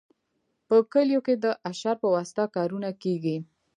په کلیو کې د اشر په واسطه کارونه کیږي.